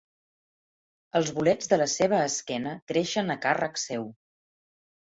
Els bolets de la seva esquena creixen a càrrec seu.